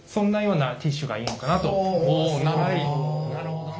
なるほど。